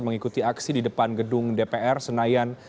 mengikuti aksi di depan gedung dpr senayan